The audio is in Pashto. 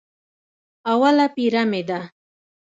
اوله پېره مې ده.